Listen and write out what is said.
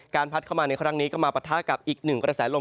พัดเข้ามาในครั้งนี้ก็มาปะทะกับอีกหนึ่งกระแสลม